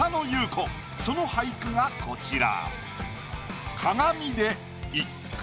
その俳句がこちら。